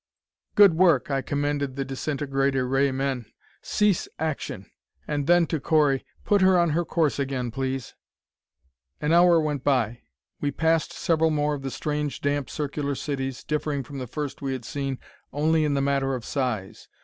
"Good work," I commended the disintegrator ray men. "Cease action." And then, to Correy, "Put her on her course again, please." An hour went by. We passed several more of the strange, damp circular cities, differing from the first we had seen only in the matter of size.